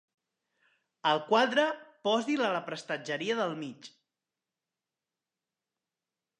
El quadre, posi'l a la prestatgeria del mig.